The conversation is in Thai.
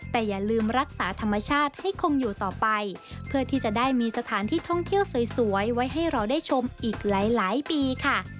แต่อย่าลืมรักษาธรรมชาติให้คงอยู่ต่อไปเพื่อที่จะได้มีสถานที่ท่องเที่ยวสวยไว้ให้เราได้ชมอีกหลายปีค่ะ